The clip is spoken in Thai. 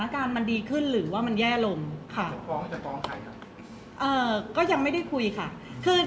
เพราะว่าสิ่งเหล่านี้มันเป็นสิ่งที่ไม่มีพยาน